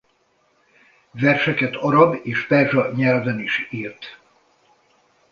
Verseket arab és perzsa nyelven is írt.